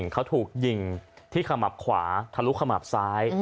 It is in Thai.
เขาถูกยิงที่ขมับขวาทะลุขมับซ้าย